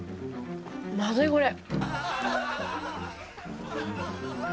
まずいこれ。